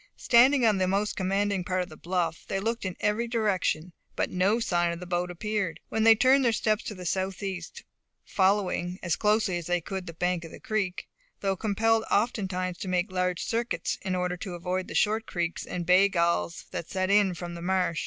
Standing on the most commanding part of the bluff, they looked in every direction, but no sign of the boat appeared. Then they turned their steps to the southeast, following, as closely as they could, the bank of the creek, though compelled oftentimes to make large circuits in order to avoid the short creeks and bay galls that set in from the marsh.